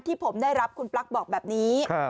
ที่ผมได้รับคุณปลั๊กบอกแบบนี้